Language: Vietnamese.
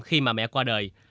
khi mà mẹ qua đời